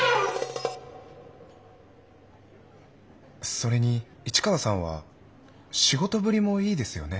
それに市川さんは仕事ぶりもいいですよね。